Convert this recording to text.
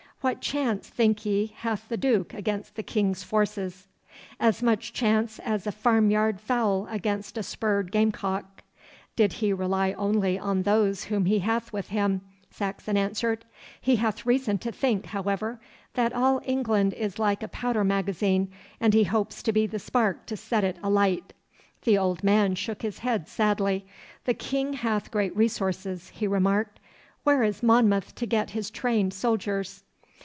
What chance, think ye, hath the Duke against the King's forces?' 'As much chance as a farmyard fowl against a spurred gamecock, did he rely only on those whom he hath with him,' Saxon answered. 'He hath reason to think, however, that all England is like a powder magazine, and he hopes to be the spark to set it alight.' The old man shook his head sadly. 'The King hath great resources,' he remarked. 'Where is Monmouth to get his trained soldiers?